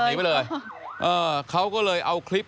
ลบมีไปเลยเขาก็เลยเอาคลิป